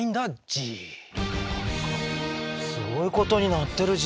すごいことになってるＧ。